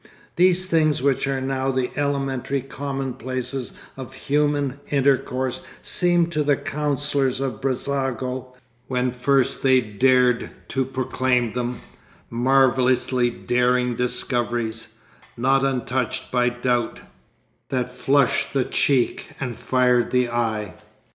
These things which are now the elementary commonplaces of human intercourse seemed to the councillors of Brissago, when first they dared to proclaim them, marvellously daring discoveries, not untouched by doubt, that flushed the cheek and fired the eye.